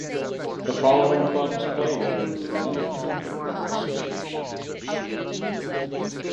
The following clubs played in the Deniliquin Football Association.